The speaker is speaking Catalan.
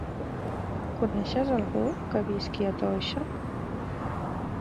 Coneixes algú que visqui a Toixa?